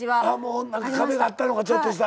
壁があったのかちょっとした。